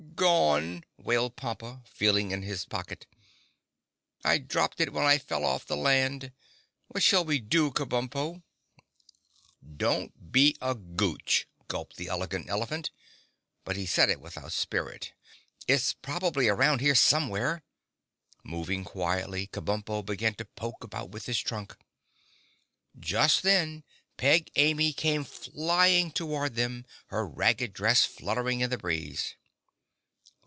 "Gone!" wailed Pompa, feeling in his pocket. "I dropped it when I fell off the Land. What shall we do, Kabumpo?" "Don't be a Gooch," gulped the Elegant Elephant, but he said it without spirit. "It's probably around here somewhere." Moving quietly, Kabumpo began to poke about with his trunk. Just then Peg Amy came flying toward them, her ragged dress fluttering in the breeze.